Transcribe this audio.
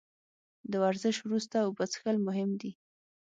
د ورزش وروسته اوبه څښل مهم دي